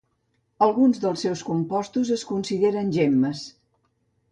Alguns dels seus compostos es consideren gemmes.